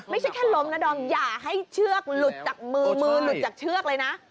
ไม่ใช่แค่ล้มนะดอมอย่าให้เชือกหลุดจากมือมือหลุดจากเชือกเลยนะ